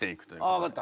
あ分かった。